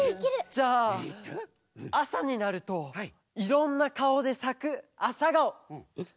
じゃああさになるといろんなかおでさくアサガオ。